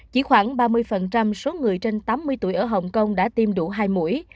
chỉ khoảng ba mươi số người trên tám mươi tuổi ở hồng kông đã tiêm đủ hai mũi